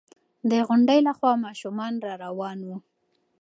د غونډۍ له خوا ماشومان را روان وو.